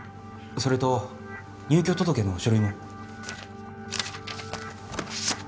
それと入居届の書類も。